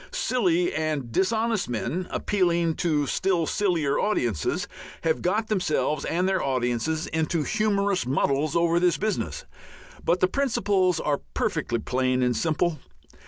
Silly and dishonest men, appealing to still sillier audiences, have got themselves and their audiences into humorous muddles over this business, but the principles are perfectly plain and simple.